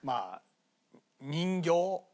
人形。